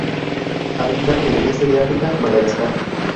Habita en el este de África, Madagascar.